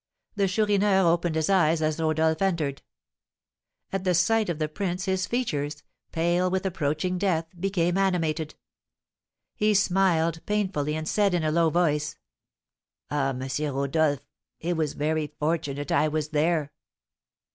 The Chourineur opened his eyes as Rodolph entered. At the sight of the prince his features, pale with approaching death, became animated. He smiled painfully, and said in a low voice: "Ah, M. Rodolph, it was very fortunate I was there!"